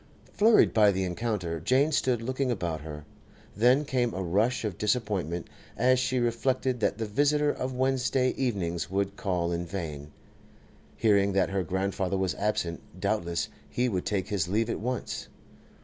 Flurried by the encounter, Jane stood looking about her. Then came a rush of disappointment as she reflected that the visitor of Wednesday evenings would call in vain. Hearing that her grandfather was absent, doubtless he would take his leave at once.